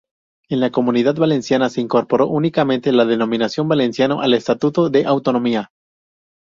En la Comunidad Valenciana se incorporó únicamente la denominación "valenciano" al estatuto de autonomía.